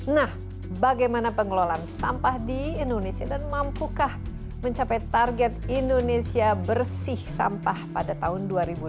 nah bagaimana pengelolaan sampah di indonesia dan mampukah mencapai target indonesia bersih sampah pada tahun dua ribu delapan belas